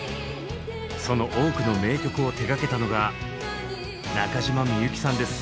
その多くの名曲を手がけたのが中島みゆきさんです。